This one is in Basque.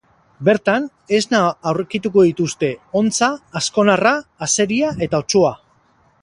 Bertan, esna aurkituko dituzte ontza, azkonarra, azeria eta otsoa.